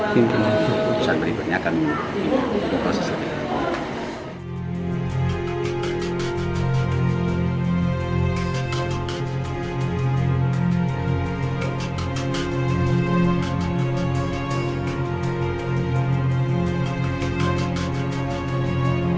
pertanyaan berikutnya akan diproseskan